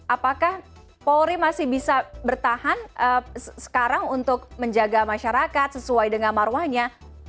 apakah polri masih bisa bertahan sekarang untuk menjaga masyarakat sesuai dengan marwahnya